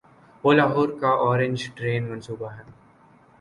وہ لاہور کا orange train منصوبہ ہے۔